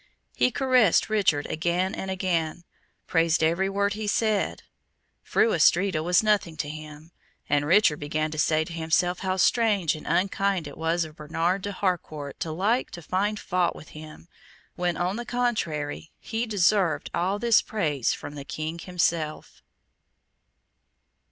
He caressed Richard again and again, praised every word he said Fru Astrida was nothing to him; and Richard began to say to himself how strange and unkind it was of Bernard de Harcourt to like to find fault with him, when, on the contrary, he deserved all this praise from the King himself.